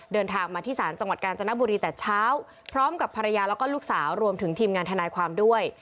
เดินทางมาที่ศาลจังหวัดกาญจนบุรีแต่เช้าพร้อมกับภรรยาแล้วก็ลูกสาวรวมถึงทีมงานทนายความด้วย